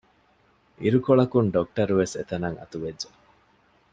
އިރުކޮޅަކުން ޑޮކްޓަރުވެސް އެތަނަށް އަތުވެއްޖެ